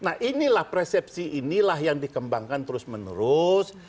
nah inilah persepsi inilah yang dikembangkan terus menerus